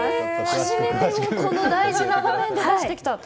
初めてをこの大事な場面で出してきた！